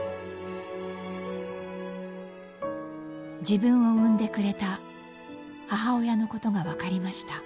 自分を産んでくれた母親のことがわかりました。